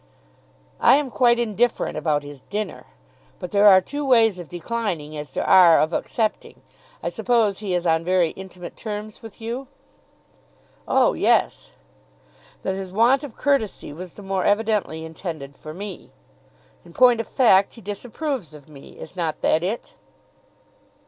"I am quite indifferent about his dinner, but there are two ways of declining as there are of accepting. I suppose he is on very intimate terms with you?" "Oh, yes." "Then his want of courtesy was the more evidently intended for me. In point of fact he disapproves of me. Is not that it?"